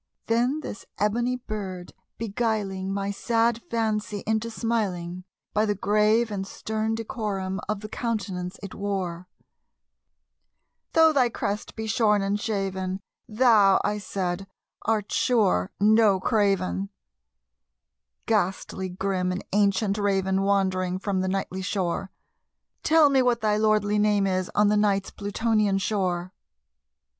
Then this ebony bird beguiling my sad fancy into smiling, By the grave and stern decorum of the countenance it wore, "Though thy crest be shorn and shaven, thou," I said, "art sure no craven, Ghastly grim and ancient Raven wandering from the Nightly shore Tell me what thy lordly name is on the Night's Plutonian shore!"